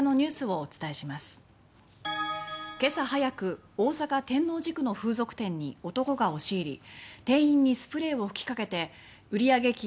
けさ早く大阪・天王寺区の風俗店に男が押し入り店員にスプレーを吹きかけて売上金